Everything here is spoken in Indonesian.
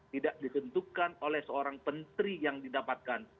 tidak ditentukan oleh seorang pentri yang didapatkan